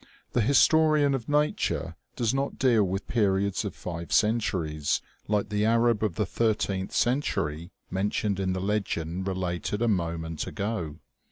The historian of nature does not deal with periods of five centuries, like the Arab of the thirteenth century men 214 OMEGA. tioned in the legend related a moment ago.